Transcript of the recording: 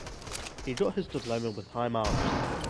He got his diploma with high marks.